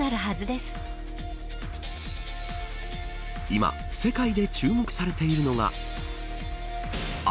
今世界で注目されているのが。